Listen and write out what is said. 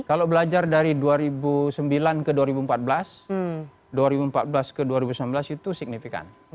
kalau belajar dari dua ribu sembilan ke dua ribu empat belas dua ribu empat belas ke dua ribu sembilan belas itu signifikan